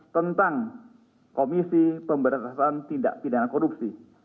tentang komisi pemberintasan tidak pindahan korupsi